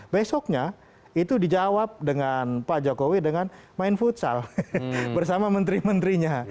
besoknya itu dijawab dengan pak jokowi dengan main futsal bersama menteri menterinya